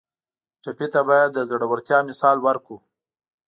ټپي ته باید د زړورتیا مثال ورکړو.